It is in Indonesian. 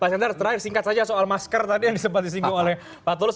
pak sendar terakhir singkat saja soal masker tadi yang sempat disinggung oleh pak tulus